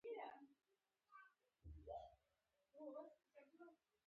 ایا خوب یې سم دی؟